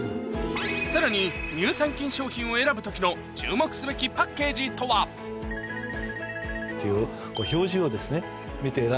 さらに乳酸菌商品を選ぶ時の注目すべきパッケージとは？といいかな。